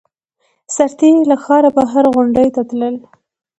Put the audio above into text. سرتېري له ښاره بهر غونډیو ته تلل